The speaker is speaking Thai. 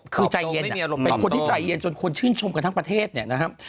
คือใจเย็นเป็นคนที่ใจเย็นจนคนชื่นชมกันทั้งประเทศเนี่ยนะครับ